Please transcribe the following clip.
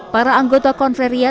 para anggota konferia